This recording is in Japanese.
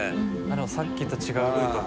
さっきと違うルートか。